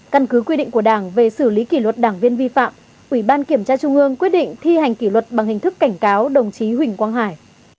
căn cứ quy định của đảng về xử lý kỷ luật đảng viên vi phạm ủy ban kiểm tra trung ương quyết định thi hành kỷ luật bằng hình thức cảnh cáo đồng chí huỳnh quang hải